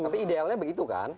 tapi idealnya begitu kan